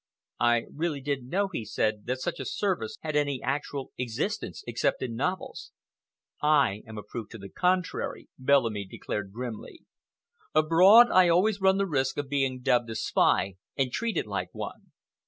"I really didn't know," he said, "that such a service had any actual existence except in novels." "I am a proof to the contrary," Bellamy declared grimly. "Abroad, I run always the risk of being dubbed a spy and treated like one.